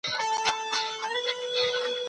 د بدن بد بوی جدي ونيسه